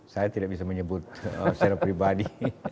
saya tidak bisa menyebut secara pribadi